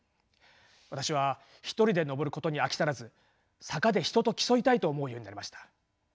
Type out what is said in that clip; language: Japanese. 私は１人で上ることに飽き足らず坂で人と競いたいと思うようになりました。